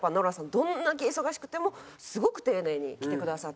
どんだけ忙しくてもすごく丁寧に来てくださって。